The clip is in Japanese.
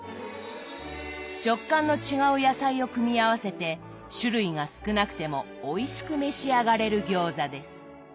食感の違う野菜を組み合わせて種類が少なくてもおいしく召し上がれる餃子です。